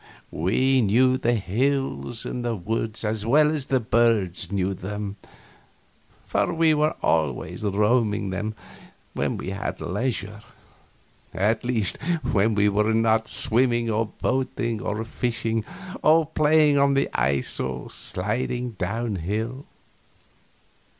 We knew the hills and the woods as well as the birds knew them; for we were always roaming them when we had leisure at least, when we were not swimming or boating or fishing, or playing on the ice or sliding down hill.